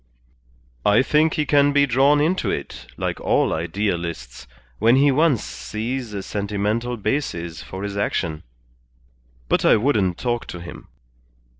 "I think he can be drawn into it, like all idealists, when he once sees a sentimental basis for his action. But I wouldn't talk to him.